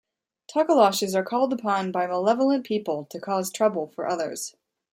Tokoloshes are called upon by malevolent people to cause trouble for others.